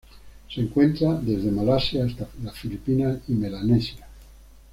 Se encuentra desde Malasia hasta las Filipinas y Melanesia.